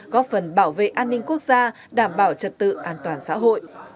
góp phần bảo vệ an ninh quốc gia đảm bảo trật tự an toàn xã hội